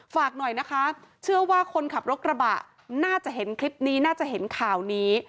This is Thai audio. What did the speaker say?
ฝากหน่อยนะคะเชื่อว่าคนขับรถกระบะน่าจะเห็นคลิปนี้น่าจะเห็นข่าวนี้